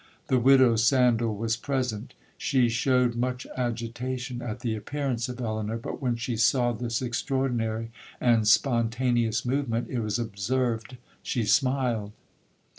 The widow Sandal was present—she shewed much agitation at the appearance of Elinor; but when she saw this extraordinary and spontaneous movement, it was observed she smiled.